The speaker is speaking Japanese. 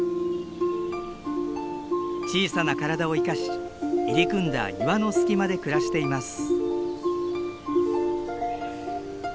小さな体を生かし入り組んだ岩の隙間で暮らしています。